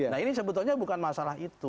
nah ini sebetulnya bukan masalah itu